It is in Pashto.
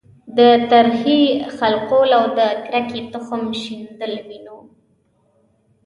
د ترهې خلقول او د کرکې تخم شیندل وینو.